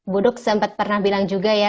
budok sempat pernah bilang juga ya